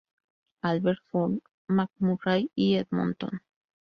Albert, Fort McMurray y Edmonton.